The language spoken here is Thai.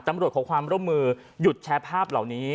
ขอความร่วมมือหยุดแชร์ภาพเหล่านี้